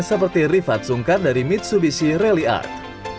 seperti rifat sungkar dari mitsubishi rally art